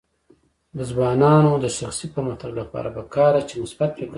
د ځوانانو د شخصي پرمختګ لپاره پکار ده چې مثبت فکر وکړي.